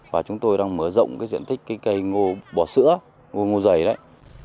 và chúng tôi đang mở rộng diện tích cây ngô bò sữa ngô dày đấy